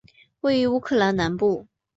位于乌克兰南部。